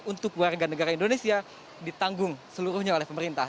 untuk warga negara indonesia ditanggung seluruhnya oleh pemerintah